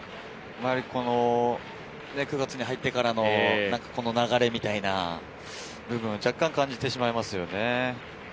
９月に入ってからのこの流れみたいな部分を若干感じますね。